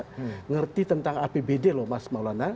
mengerti tentang apbd loh mas maulana